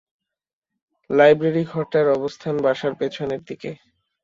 লাইব্রেরি-ঘরটার অবস্থান বাসার পেছনের দিকে।